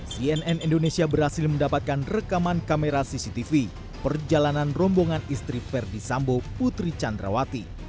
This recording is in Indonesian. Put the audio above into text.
cnn indonesia berhasil mendapatkan rekaman kamera cctv perjalanan rombongan istri verdi sambo putri candrawati